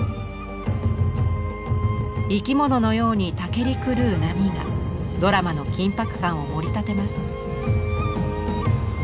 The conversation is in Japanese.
生き物のようにたけり狂う波がドラマの緊迫感をもりたてます。